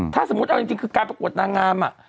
ถ้าสมมุติเอาจริงคือการประกวดนางงาม